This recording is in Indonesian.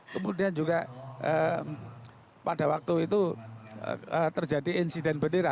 kemudian juga pada waktu itu terjadi insiden bendera